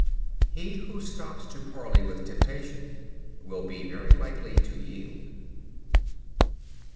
He who stops to parley with temptation, will be very likely to yield.